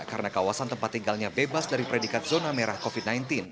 karena kawasan tempat tinggalnya bebas dari predikat zona merah covid sembilan belas